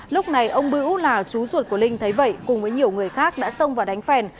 lúc này ông bữu là chú ruột của linh thấy vậy cùng với nhiều người khác đã xông vào đánh phèn